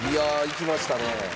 きましたね。